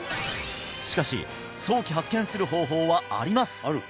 しかし早期発見する方法はあります！